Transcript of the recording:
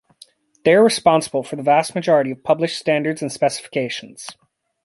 They are responsible for the vast majority of published standards and specifications.